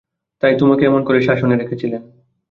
তাই তোমাকে এমন করে শাসনে রেখেছিলেন।